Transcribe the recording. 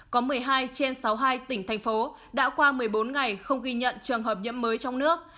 có một mươi hai trên sáu mươi hai tỉnh thành phố đã qua một mươi bốn ngày không ghi nhận trường hợp nhiễm mới trong nước